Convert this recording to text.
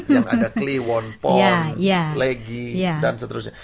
yang ada kliwon pon legi dan seterusnya